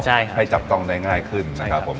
ให้จับต้องได้ง่ายขึ้นนะครับผม